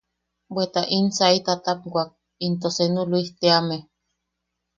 Bweta in sai tatapwak into seenu Luis teame.